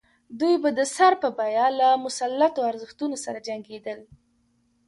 دوی به د سر په بیه له مسلطو ارزښتونو سره جنګېدل.